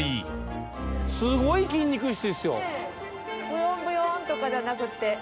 ブヨンブヨンとかじゃなくって。